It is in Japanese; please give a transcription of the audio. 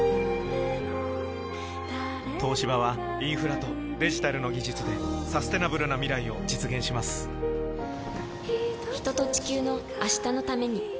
東芝はインフラとデジタルの技術でサステナブルな未来を実現します人と、地球の、明日のために。